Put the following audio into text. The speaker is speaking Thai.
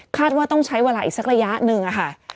ว่าต้องใช้เวลาอีกสักระยะหนึ่งค่ะ